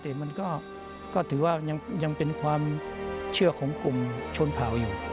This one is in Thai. แต่มันก็ถือว่ายังเป็นความเชื่อของกลุ่มชนเผ่าอยู่